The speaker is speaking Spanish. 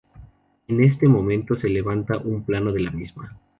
En este momento se levanta un plano de la misma.